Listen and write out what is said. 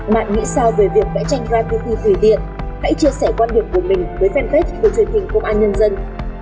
mạng nghĩ sao về việc vẽ tranh graffiti thủy tiện hãy chia sẻ quan điểm của mình với fanpage của truyền hình công an nhân dân